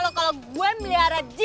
nggak ada buktinya nyomut